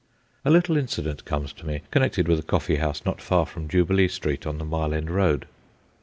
A little incident comes to me, connected with a coffee house not far from Jubilee Street on the Mile End Road.